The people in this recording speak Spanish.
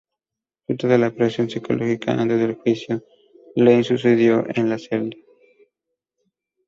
Fruto de la presión psicológica, antes del juicio, Iain se suicidó en su celda.